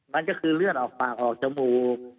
แล้วคือเรื่อนออกปากออกจมูก